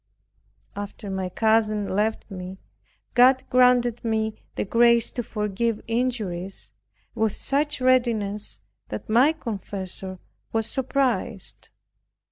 After my cousin left me, God granted me the grace to forgive injuries with such readiness, that my confessor was surprised.